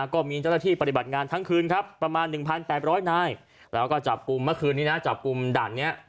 ก็มีเจ้าหน้าที่ปฏิบัติงานทั้งคืนครับประมาณ๑๘๐๐นายแล้วก็จับกลุ่มเมื่อคืนนี้นะจับกลุ่มด่านนี้